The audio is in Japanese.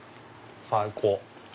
最高。